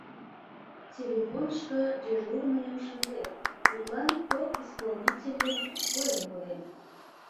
Телефонышко дежурныйым шындем, тудлан кок исполнительым пуэн кодем.